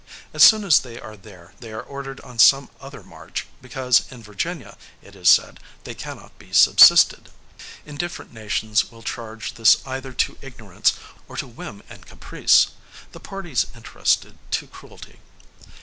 As soon as they are there, they are ordered on some other march, because, in Virginia, it is said, they cannot be subsisted. Indifferent nations will charge this either to ignorance, or to whim and caprice; the parties interested, to cruelty.